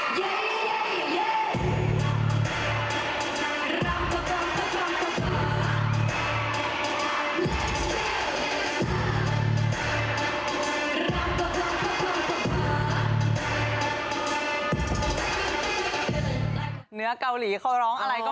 เนื้อเกาหลีเขาร้องอะไรกันนะครับ